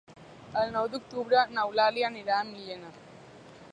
El nou d'octubre n'Eulàlia anirà a Millena.